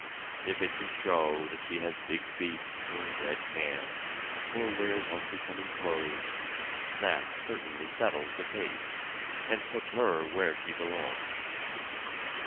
If it can show that she has big feet or red hands, or wears unbecoming clothes, that certainly settles the case and puts her where she belongs.